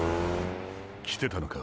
来てたのか。